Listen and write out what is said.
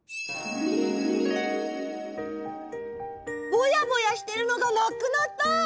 ぼやぼやしてるのがなくなった！